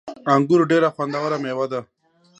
انګور ډیره خوندوره میوه ده